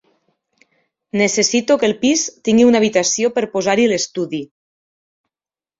Necessito que el pis tingui una habitació per posar-hi l'estudi.